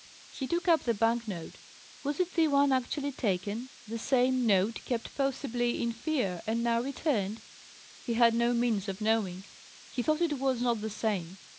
He took up the bank note. Was it the one actually taken the same note kept possibly, in fear, and now returned? He had no means of knowing. He thought it was not the same.